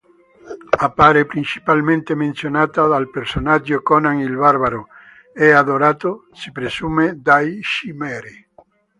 Appare principalmente menzionata dal personaggio Conan il barbaro e adorato, si presume, dai Cimmeri.